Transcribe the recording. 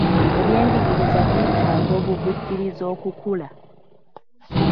Ebyenjigiriza byetaaga obuvujjirizi okukula.